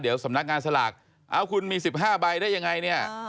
เดี๋ยวสำนักงานสลากเอ้าคุณมี๑๕ใบได้ยังไงเนี่ย